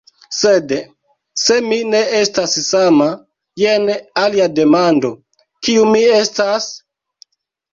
Sed se mi ne estas sama, jen alia demando; kiu mi estas?